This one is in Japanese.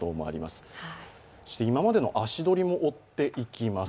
今までの足取りを追っていきます。